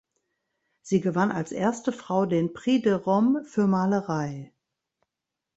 Sie gewann als erste Frau den Prix de Rome für Malerei.